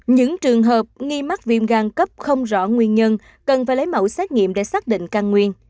những trường hợp nghi mắc viêm gan cấp không rõ nguyên nhân cần phải lấy mẫu xét nghiệm để xác định căn nguyên